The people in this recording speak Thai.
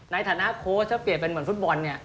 ในฐานะโค้ชถ้าเปลี่ยนเป็นเหมือนฟุตบอลเนี่ย